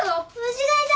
虫がいた！